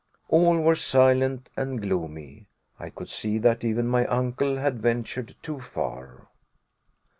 All were silent and gloomy. I could see that even my uncle had ventured too far.